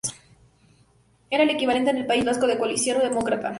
Era el equivalente en el País Vasco de Coalición Democrática.